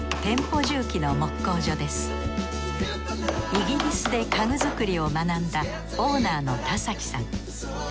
イギリスで家具作りを学んだオーナーの田さん。